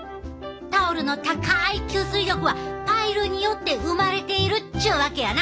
タオルの高い吸水力はパイルによって生まれているっちゅうわけやな。